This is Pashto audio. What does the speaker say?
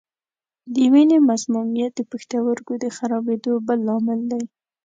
د وینې مسمومیت د پښتورګو د خرابېدو بل لامل دی.